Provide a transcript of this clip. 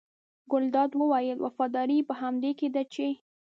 ګلداد وویل وفاداري یې په همدې کې ده چې.